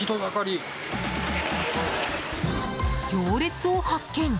行列を発見！